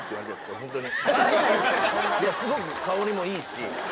ホントにすごく香りもいいし。